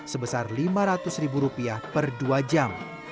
sebesar lima ratus ribu rupiah per dua jam